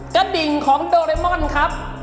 กระดิ่งของโดเรมอนครับ